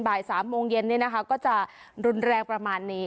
บ่ายสามโมงเย็นเนี้ยนะคะก็จะรุนแรงประมาณนี้